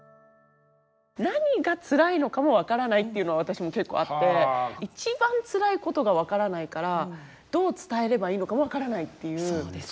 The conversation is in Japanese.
何がつらいのかも分からないっていうのは私も結構あって一番つらいことが分からないからどう伝えればいいのか分からないっていうことも。